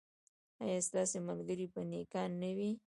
ایا ستاسو ملګري به نیکان نه وي؟